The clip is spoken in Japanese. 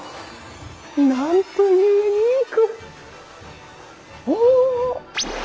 なんてユニーク！